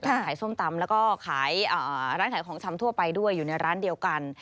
ขายส้มตำแล้วก็ขายร้านขายของชำทั่วไปด้วยอยู่ในร้านเดียวกัน